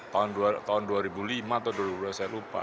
tahun dua ribu lima atau dulu saya lupa